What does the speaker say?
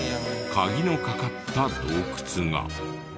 カギのかかった洞窟が。